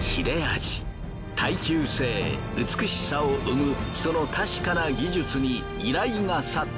切れ味耐久性美しさを生むその確かな技術に依頼が殺到。